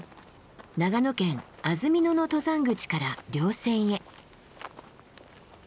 長野県安曇野の登山口から稜線へ。